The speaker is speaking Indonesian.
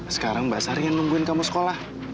sekarang mbak sari yang nungguin kamu sekolah